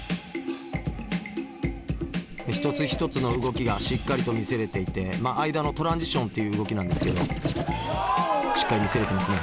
一つ一つの動きがしっかりと見せれていて間のトランジションという動きなんですけどしっかり見せれてますね。